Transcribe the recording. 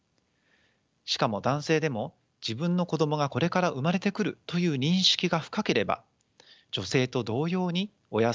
しかも男性でも自分の子どもがこれから生まれてくるという認識が深ければ女性と同様に親性脳が発達します。